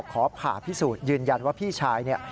ขอผ่าพิสูจน์ยืนยันว่าพี่ชายเนี่ย